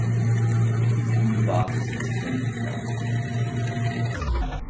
Die Flügelbasis ist hell gefärbt.